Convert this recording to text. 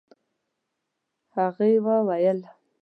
هغې وويل: